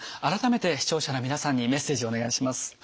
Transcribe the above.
改めて視聴者の皆さんにメッセージお願いします。